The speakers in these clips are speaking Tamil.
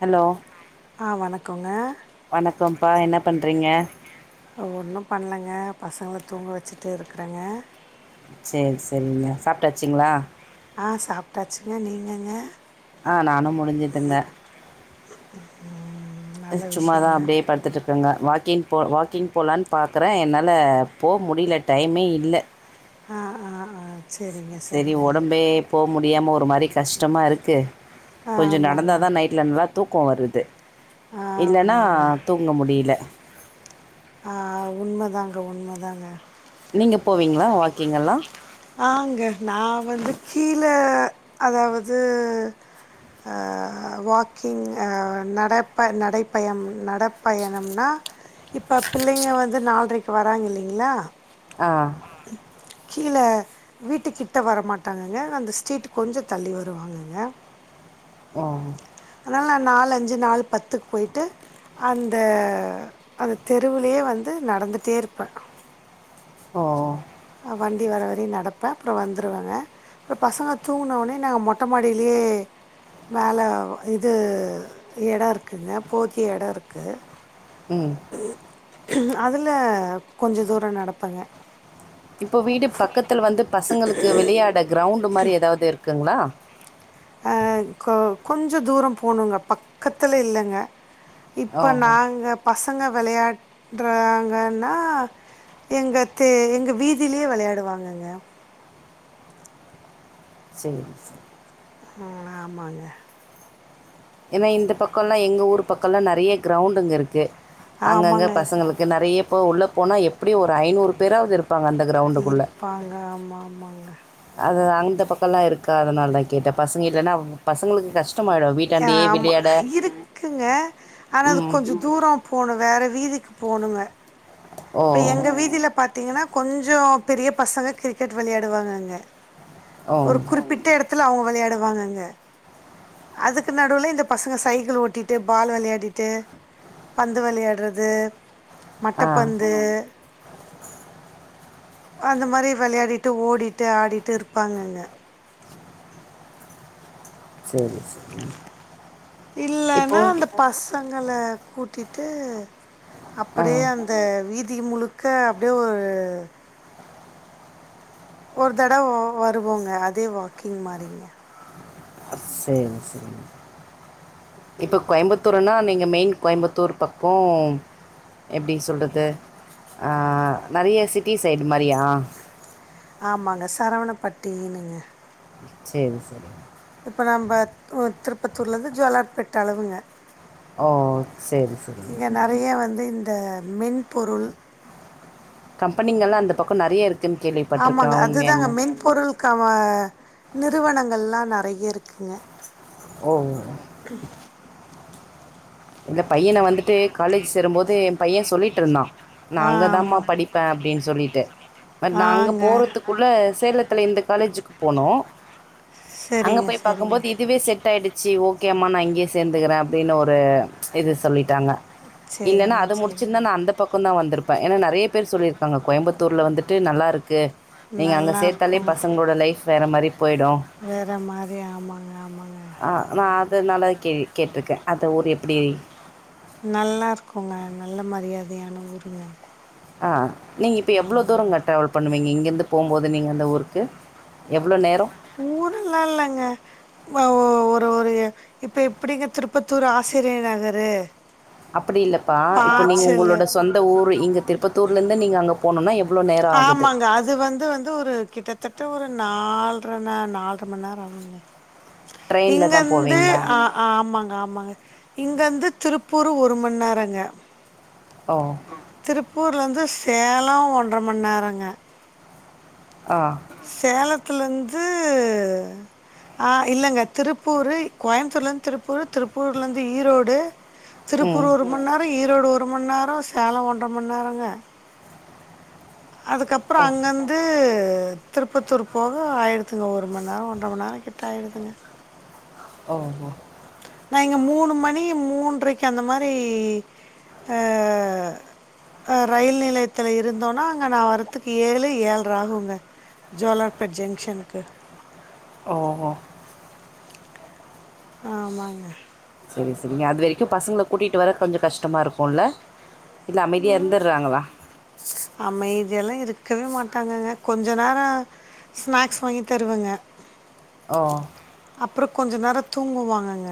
ஹலோ ஆ வணக்கங்க பண்றீங்க ஒன்னும் பண்ணலங்க பசங்களை தூங்க வச்சுட்டு இருக்கறேங்க சரி சரிங்க சாப் சாப்டாச்சுங்களா ஆ சாப்ட்டாச்சுங்க நீங்கங்க ஆ நானும் முடிஞ்சுட்டுங்க ம் நல்ல சும்மாதான் விஷயங்க அப்படியே படுத்துட்டு இருக்கங்க வாக்கின் ஒரு வாக்கிங் போகலான்னு பார்க்குறேன் என்னால் போக முடியல டைமே இல்லை ஆ ஆ ஆ சரிங்க சரி சரிங்க உடம்பே போ முடி முடியாம ஒரு மாதிரி கஷ்டமாக இருக்கு ஆ கொஞ்சம் ஆமாங்க நடந்தாதான் நைட்ல நல்லா தூக்கம் வருது தே ஆ இல்லன்னா ஆமாங்க தூங்க முடியல ஆ உண்மதாங்க உண்மதாங்க நீங்க போவீங்களா வாக்கீங்கல்லா ஆங்க நா வந்து கீழ அதாவது அ வாக்கிங் அ நடப்ப நடைப்பயம் நடப்பயணம்னா இப்போ பிள்ளைங்க வந்து நால்ரைக்கு வராங்க இல்லைங்களா ஆ கீழ வீட்டுக்கிட்ட வரமாட்டாங்கங்க அந்த ஸ்ட்ரீட் கொஞ்சம் தள்ளி வருவாங்கங்க ஒ அ நால் அஞ்சு நால் பத்துக் போயிட்டு அந்த அந் தெருவுலயே வந்து நடந்துட்டே இருப்ப ஓ அ வண்டி வர வரையும் நடப்பேன் அப்புறம் வந்துருவாங்க அப்புறம் பசங்க தூங்ன ஒனே நாங்க மொட்ட மாடிலே மேல இது எடம் இருக்குங்க போத்தி எடம் இருக்கு ம் அதுல கொஞ்சோ தூரம் நடப்பங்க இப்போ வீடு பக்கத்துல வந்து பசங்களுக்கு விளையாட கிரௌண்ட் மாரி ஏதாவ்து இருக்குங்களா அ கொ கொஞ்சோ தூரம் போனுங்க பக்கத்துல இல்லங்க இப்ப ஓஹோ நாங்க பச பசங்க விளையாடுறாங்கன்னா எங்க தே எங்க வீதியிலயே விளையாடுவாங்கங்க செரி செரி ம் ஆமாங்க ஏனா இந்த பக்கம்லா எங்க ஊர் பக்கம்லா நறைய கிரௌண்டுங்க இருக்கு அங்கங்க ஆமாங்க பசங்களுக்கு நறைய இப்ப உள்ள போனா எப்படி ஒரு ஐநூறு பேராது இரு இருப்பாங்க ஆமா ஆமாங்க இந்த பக்கம்லாம் இருக்கா அதனால தா கேட்டன் பசங்க இல்லன்னா பசங்களுக்கு கஷ்டமாயிடும் எ வீட்டாண்டையே ஆமா விளையாட இருக்குங்க ஆனா அது ம் கொஞ்சோ தூரோ போணும் வேற வீதிக் போனுங்க ஓ இப்ப எங்க வீதியில பா த்தீங்கன்னா கொஞ்சோ பெரிய பசங்க கிரிக்கெட் விளையாடுவாங்கங்க ஓ ஒரு குறிப்பிட்ட எடத் துல அவுங்க விளையாடுவாங்கங்க அதுக்கு நடுவுல் இந்த பசங்க சைக்கிள் ஓட்டிட்டு பால் விளையாடிட்டு பந்து விளையாடுறது ஆ மட்டப்பந் து அந்த மாரி விளையாடிட்டு ஓடிட்டு ஆடிட்டு இருப்பாங்கங்க செரி செரி இல்லன்னா அந்த பசங்கள கூட்டிட்டு ஆ அப்படியே அந்த வீதி தி முழுக்க அப்டியே ஒரு ஒரு தடவ வருவோங்க அதே வாக்கிங் மாறிங்க செரி செரி இப்ப கோயம்புத்தூர்ன்னா நீங்க மெயின் கோயம்புத்தூர் பக்கொம் எப்டி சொல்றது ஆ நெறைய சிட்டி சைடு மாரியா ஆமாங்க சரவணப்பட்டினுங்க சரி சரி இப்போ நம்ப ஒ திருப்பத்தூர்லேருந்து ஜோலார்பெட் அளவுங்க ஓ சரி சரிங்க இங்க நெறைய வந்து இந்த மென்பொருள் கம்பெனிங்கெல்லாம் அந்த பக்கம் நிறைய இருக்குன்னு ஆமாங்க கேள்விப்பட்டிருக்கேன் அதுதாங்க உண்மையாங்க மென்பொருள் க வ நிறுவனங்கள்ல்லா நெ றைய இருக்குங்க ஓ ம் இல்ல பையன வந்துட்டு காலேஜ் சேரும்போது எ பையன் சொல்லிட்டுருந்தா நா ஆ அங்கதாமா ஆமாங்க படிப்ப அப்படின் சொல்லிட் ட்டு பட் நா அங்க ஆங்க போறதுக்குள்ள சேலத் த்துல இந்த காலேஜுக்கு போனோ அங்க சரிங்க போய் சரிங்க பாக்கும்போது இதுவே செட் ஆயிடு செரி ஓகே அம்மா நா இங்கேயே சேந்துக்குற அப்படின்னு ஒரு இது சொல்லிட்டாங்க இல்லன்னா சரிங்க அது சரிங்க முடிச்சிருந்தா நா அந்த பக் கோந்தா வந்திருப்ப ஏன்னா நெறைய பேர் சொல்லியிருக்காங்க கோயம்புத்தூர்ல வந்துட்டு நல்லாருக் கு நீங்க அங்க நல்லா சேர்த்தாலே இருக்குங்க பசங்களோட லைஃப் வேற மாரி போயிடு வேற மாரி ஆமாங்க ஆமாங்க ஆ நா அது நல்ல கேள்வி கேட்டுருக்க அது ஒரு ப்டி நல்லா இருக்குங்க நல்ல மரியாதையான ஊருங்க ஆ நீங்க இப்ப எவ்ளோ தூரங்க ட்ராவல் பண்ணுவீங்க இங்கருந் து போம்போது நீங்க அந்த ஊருக்கு எவ்ளோ நேரொ ஊரெல்லா இல்லங்க ஒ ஒரு இப்ப எப்டிங்க திருப்பத்தூர் ஆசிரியர் நகரு அப்டி இல்லப்பா இப்ப நீங்க பாச்சலு உங்களோட சொந்த ஊர் இங்க திருப்பத்தூர்லந் து நீங்க அங்க போனுனா எவ் ஆமாங்க அது வந்து வந்து ஒரு கிட்டத்தட்ட ஒரு நால்ரன்னா நால்ர மண்நேரொ ஆகுங்க ட்ரெயின்ல இங்க தான் இருந்து போவீங்களா அ ஆமாங் ஆமாங்க இங்கருந்து திருப்பூர் ஒரு மண் நேரங்க ஓ திருப்பூர்லருந்து சேலோ ஒன் அர மண் நேரங்க ஆ சேலத் த்துலருந்து அ இல்லங்க திருப்பூரு கோயம்பத்தூர்லருந்து திருப்பூர் திருப்பூர்லருந்து ஈரோடு திருப்பூர் ம் ஒரு மணி நேர ஈரோடு ஒரு ஒரு மண் நேர சேலம் ஒன்ற மண் நேரங்க அதுக்கப்புற ஓ அங்கருந்து திருப்பத்தூர் போக ஆயிரத் ஒரு மண் நேர ஒன்ற மண் நேர ட்டாயடுதுங்க ஓஹோ நான் இங்க மூணு மணி மூன்றைக்கு அந்த மாரி அ ரயில் நிலையத்தில இருந்தோன்னா நான் வரதுக்கு ஏழு ஏழ்ர ஆகுங்க ஜோலார்பட் ஜங்ஷனுக்கு ஓஹோ ஆமாங்க சேரி சேரிங்க அது வரைக்கு பசங்கள கூட்டிட்டு வர கொஞ்ச கஷ்டமா இருக்குல இல்ல அமைதியா இருந்துடுறாங்களா அமைதியெல்லாம் இருக்கவே மாட்டாங்கங்க கொஞ்ச நேர ஸ்நாக்ஸ் வாங்கி தருவங்க ஓ அப்புற கொஞ்ச நேர தூங்குவாங்கங்க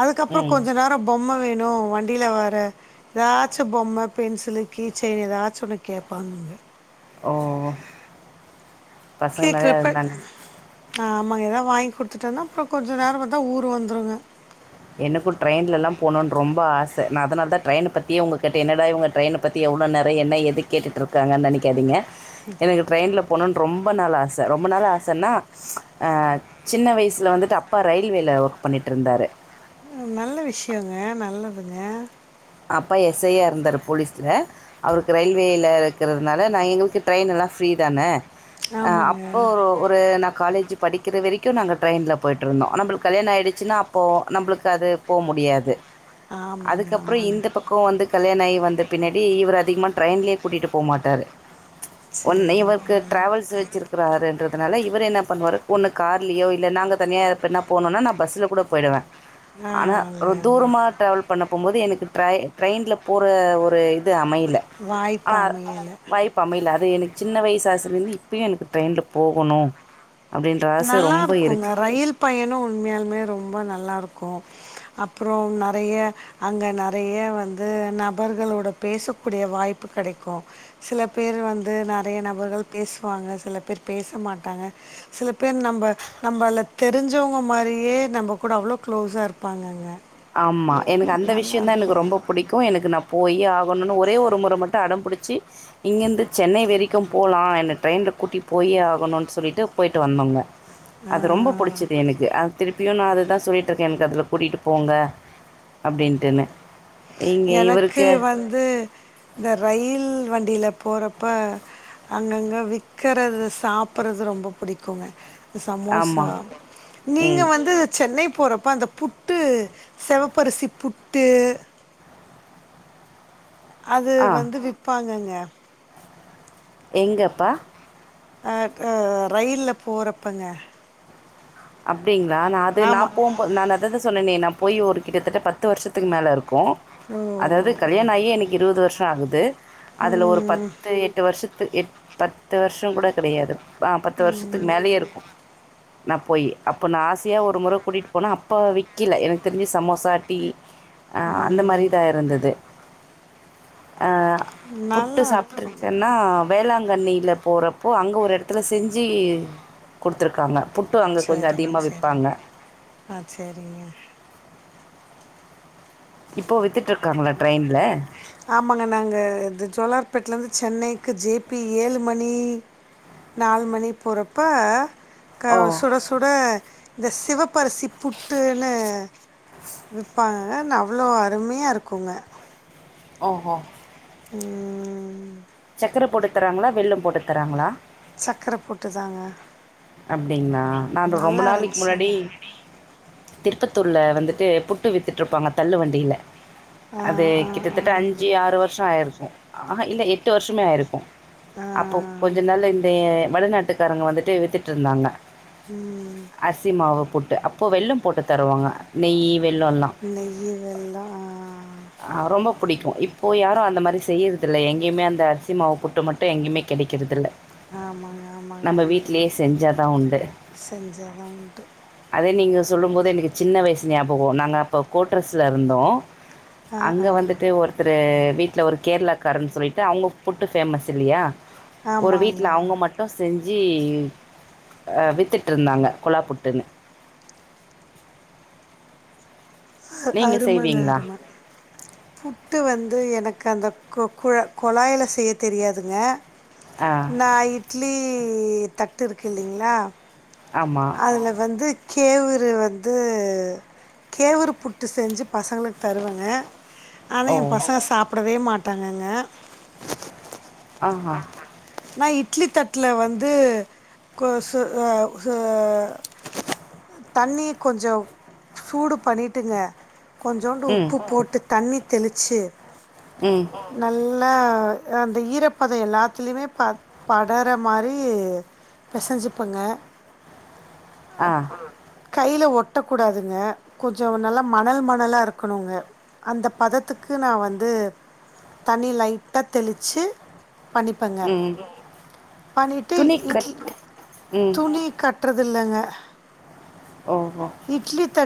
அதுக்கப்புற ம் கொஞ்ச நேர பொம்மை வேண் வேணு வண்டியில வர ஏதாச்சு பொம்ம பென்சிலு கீ செயினு ஏதாச்சு ஒன்னு கேப்பாங்க ஓ பசங்க நறைய இருந்தாங்க நம்ம எதா வாங்கி கொடுத்துட்டோனா அப்புற கொஞ்ச நேர வந்த ஊர் வந்துருங்க எனக்கு ட்ரெயின்லலா போணும் ரொம்ப ஆச நா அதனாலதா நா ட்ரெயின் பத்தியே உங்க கிட்ட என்னடா இவங்க ட்ரெயின பத்தி எவ்ளோ நேர என்ன எது கேட்டுட்டுருக்காங்கனு நெனைக்காதீங்க எனக்கு ட்ரெயின்ல போனுன்னு ரொம்ப நாள் ஆச ரொம்ப நாள் ஆசன்னா அ சின்ன வயசுல வந்துட்டு அப்பா ரயில்வேல ஒர்க் பண்ணிட்டு இருந்தாரு நல்ல விஷயங்க நல்லதுங்க அப்பா எஸ்ஐயா இருந்தார் போலீஸ்ல அவருக்கு ரயில்வேல இருக்கிறதுனால நான் எங்களுக்கு ட்ரெயின் எல்லாம் ஃப்ரீ தான அஹ் ஆமாங்க. அப்போ ஒரு நா காலேஜ் படிக்கிற வரைக்கும் நாங்க ட்ரெயின்ல போய்ட்டுருந்தோம் நம்மளுக்கு கல்யாணம் ஆயிடுச்சுன்னா அப்போ நம்மளுக்கு அது போக முடியாது ஆமாங்க ஆமா அப்புறம் இந்த பக்கம் வந்து கல்யாணம் ஆகி வந்து த்து பின்னாடி இவர் அதிகமா டிரரெயின்லயே கூட்டிட்டு போ மாட்டாரு ஒன் சரிங்க. இவருக்கு நல்லது. டிராவல்ஸ் வச்சிருக்கிறாருன்றதுனால இவர் என்ன பண்ணுவாரு ஒன்னு கார்லயோ இல்லனா நாங்க தனியா என்ன போனும்னா நான் பஸ்ல கூட போயிடுவே ஆ ஆனா ஒரு அதாங்க. தூரமா டிரவல் பண்ண போகும்போது எனக்கு ட்ரை ட்ரெயின்ல போற ஒரு அமையல ஆ வாய்ப்பு அமையல. வாய்ப்பு அமையல அது எனக்கு சின்ன வயசு [unintelligible] இருந்து இப்பயு எனக்கு ட்ரெயின்ல போகனு நல்லா இருக்குங்க ரயில் பயனோ உண்மையாலுமே ரொம்ப நல்லாருக்கு அப்றோ நெறைய அங்க நெறைய வந்து நபர்களோட பேசக்கூடிய வாய்ப்பு கெடைக்கு சில பேர் வந்து நெறைய நபர்கள் பேசுவாங்க சில பேர் பேச மாட்டாங்க சில பேர் நம்ப நம்பள தெரிஞ்சவங்க மாரியே நம்ப கூட அவ்ளோ க்ளோஸா இருப்பாங்கங்க ஆமா எனக்கு அந்த நல்லா விஷயோ தா எனக்கு இருக்குங்க ரொம்ப புடிக்கு எனக்கு நா போயே ஒன்னுனு ஒரே ஒரு முற மட்டு அடம் புடிச்சி இங்கருந்து சென்னை வெரைக்கு போலா என்ன ட்ரெயின்ல கூட்டி போயே ஆகனுன் சொல்லிட்டு பொய்ட்டு வந்தோங்க அது ரொம்ப ஆ புடிச்சது எனக்கு அது திரு [unintelligible] அதுதா சொல்லிட்ருக்கே எனக்கு அதுல புடிக்கு போங்க அப்டின்ட்டுன்னு எனக்கு வந்து இந்த ரயில் வண் டில போறப்ப அங்கங்க விக்கறது சாப்பறது ரொம்ப பிடிக்குங்க ஆமா. சமோசா நீங்க ம். வந்து சென்னை போறப்ப அந்த புட்டு செவப்பரிசி புட்டு அது ஆ வந்து விப்பாங்கங்க [inaudible] எங்கப்பா அ க ரயில்ல போறப்பங்க [unintelligible] அப்டிங்ளா நா அது நா ஆமா. போம்போது நா அததா சொன்னனே போய் ஒரு கிட்டத்தட்ட பத்து வருஷத்துக்கு மேலே இருக் கு ஓ! அதாது கல்யாண ஆகியே எனக்கு இருவது வரு ஆகுது அதுல ஒரு ம், பத்து எட்டு வருஷத் பத்து எட் பத்து வருஷோ கூட கெடையாது ஆ பத்து வருஷத்துக்கு மேலயே இருக்கு நா போய் அப்ப நா ஆசையா ஒரு முற கூட்டிட்டு போனோ அப்ப விக்கில எனக்கு தெரிஞ்சி சமோசா டீ ஆ அந்த ம். மாரிதா இருந்தது புட்டு நல்லாருக்குங்க. சாப்ட்ருக்கேனா வேளா ங்கண்ணில போறபோ அங்க ஒரு எடத்துல செஞ்சி குடுத்துருக்காங்க புட் சரிங்க சரிங்க ஆ சரிங்க இப்போ வித்துட்டு இருக்காங்களா ட்ரெயினில் ஆமாங்க நாங்க இது ஜோலார் இப்பத்லருந்து சென்னைக்கு ஜேபி ஏழு மணி நாலு மணி போறப்ப க ஓ சுட சுட இந்த சிவப்பரிசி புட்டுன்னு விப்பாங்க ந அவ்வளோ அருமையா இருக்குங்க ஓஹோ ம் சக்கர போட்டு தராங்களா வெள்ளம் போட்டு தராங்களா சக்கரை போட்டு தாங்க அப்படிங்ளா நானு ரொம்ப நல்லா நாளைக்கு முன்னாடி இருந்துச்சுங்க திருப்பத்தூர்ல வந்துட்டு புட்டு வித்துட்டு இருப்பாங்க தள்ளு வண்டியில ஆ அது ஆ ஆ கிட்டத்தட்ட அஞ்சு ஆறு வருஷ ஆயிருக்கு ஆஹா இல்ல எ ட்டு வருஷமே ஆயிருக்கு ஆ அப்போ கொஞ்ச நல்ல இந்த வடநாட் டுக்காரங்க வந்துட்டு வித்துட்டு இருந்தாங்க ம் அரிசி மாவு புட் டு அப்போ வெல்லம் போட்டு தருவாங்க நெய்யு நெய்யி வெல்ல அ புடிக்கு இப்போ யாரு அந்த மாரி செய்யறதில்ல எங்கயுமே அந்த இந்த அரிசி மாவு புட்டு மட்டு எங்கயுமே கெடைக்கறதில்ல ஆமாங்க ஆமாங்க நம்ம வீட்லயே செஞ்சாதா உண்டு செஞ்சதான் உண்டு அதே நீங்க சொல்லும் போது எனக்கு சின்ன வயசு ஞாபக நாங்க அப்போ கோட்ரஸ்ல இருந்தோ ஆ அங்க ஆ வந்துட்டு ஒருத்தரு வீட்ல ஒரு கேரளாக்காரன்னு சொல்லிட்டு அவங்க புட்டு ஃபேமஸ் இல்லையா ஒரு வீட்ல ஆமாங்க அவங்க மட்டு செஞ்சு சி அ வித்துட்டு இருந்தாங்க கொழா புட்டுனு அ அருமங்க அரும புட்டு வந்து எனக் கு அந்த கொ குழ கொழாயில செய்ய தெரியாதுங்க ஆ. நா இட்லி லி தட்டு இருக்கு இல்லைங்ளா ஆமா. அதுல வந்து கேவுரு வந்து கேவுரு புட்டு செஞ்சு பசங்களுக்கு தருவங்க ஆனா ஓ! எம் பசங்க சாப் படவே மாட்டாங்கங்க ஆஹ நான் இட்லி தட்டுல வந்து கொ தண்ணி கொஞ்சம் சூடு பண்ணிட்டுங்க கொஞ்சோண்டு ம். உப்பு போட்டு தண்ணி தெளிச்சு ம். நல் அந்த ஈரப்ப ப்போத எல்லாத்துலயுமே ப படற மாதிரி பிசைஞ்சிப்பங்க ஆ. உம் கையில் ஒட்டக்கூடாதுங்க கொஞ்சம் நல்லா மணல் மணலாக இருக்கணுங்க அந்த பதத்துக்கு நான் வந்து தண்ணி லைட்டா தெளிச்சி பண்ணிப்பங்க ம். பண்ணிட்டு துணி இட்லி கட் ம் துணி கட் கட்டுறதில்லைங்க ஓஹோ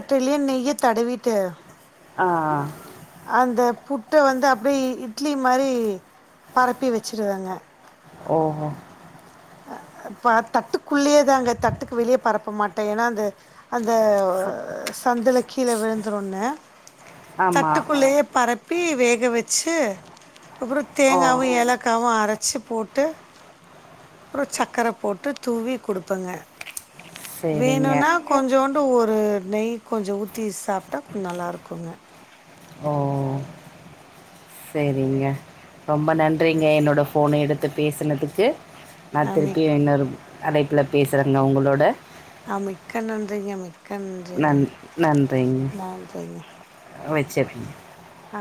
தட்டுலே நெய்ய தடவிட்டு ஆஹ்ஹ அந்த புட்டை வந்து அப்படியே இட்லி மாதிரி பரப்பி வச்சு வச்சுருவேங்க ஓஹோ இப்ப தட்டுக்குள்ளேயேதான்ங்க தட்டுக்கு வெளியே பரப்ப மாட்டேன் ஏன்னா அந்த அந்த சந்துலக் கீழே விழுந்துறோன்னு ஆமாம் தட்டுக்குள்ளேயே பரப்பி வேக வச்சு அப்புறம் ஓ தேங்காவும் ஏலக்காவும் அரைச்சு போட்டு அப்புறம் சர்க்கரை போட்டு தூவி கொடுப்பங்க சரிங்க வேணும்னா கொஞ்சோன் ஒரு நெய் கொஞ்சம் ஊத் சாப்பிட்டா கொஞ்சம் நல்லாயிருக்குங்க ம் ம்ம்ம் சேரிங்க ரொம்ப நன்றிங்க என்னோட போன எடுத்து பேசனதுக்கு நா ஆ திருப்பி மிக் இன்னொரு அடைப்பு அழைப்புல பேசுறங்க உங்களோட அ மிக்க நன்றிங்க மிக்க ன்றிங்க நன் நன்றிங்க வெச்சிர்றேன் ஆ